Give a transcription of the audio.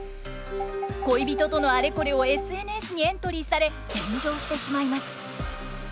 恋人とのアレコレをＳＮＳにエントリーされ炎上してしまいます。